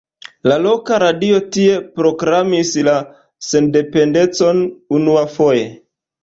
La loka radio tie proklamis la sendependecon unuafoje.